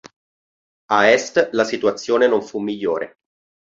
A est la situazione non fu migliore.